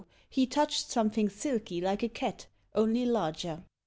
he touched something silky like a cat, only larger.